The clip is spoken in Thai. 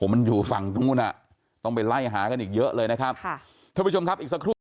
มันอยู่ฝั่งนู้นต้องไปไล่หากันอีกเยอะเลยนะครับ